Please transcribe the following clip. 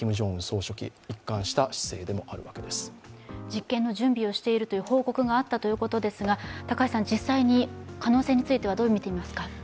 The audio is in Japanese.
実験の準備をしているという報告があったということですが、実際に可能性についてはどう見ていますか？